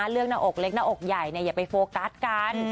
เรื่องหน้าอกเล็กหน้าอกใหญ่เนี่ยอย่าไปโฟกัสกัน